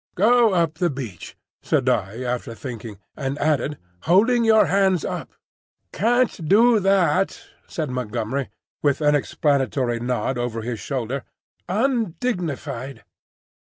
"Go up the beach," said I, after thinking, and added, "holding your hands up." "Can't do that," said Montgomery, with an explanatory nod over his shoulder. "Undignified."